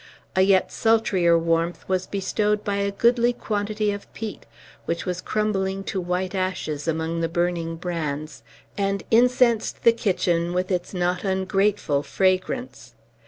A yet sultrier warmth was bestowed by a goodly quantity of peat, which was crumbling to white ashes among the burning brands, and incensed the kitchen with its not ungrateful fragrance.